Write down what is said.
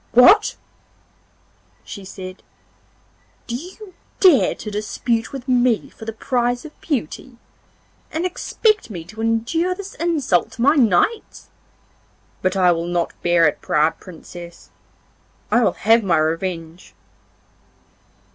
'What!' she said, 'do you dare to dispute with me for the prize of beauty, and expect me to endure this insult to my knights? But I will not bear it, proud Princess. I will have my revenge.